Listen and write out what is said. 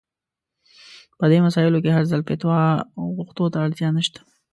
په دې مسايلو کې هر ځل فتوا غوښتو ته اړتيا نشته.